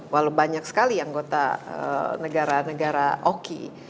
walau banyak sekali anggota negara negara oki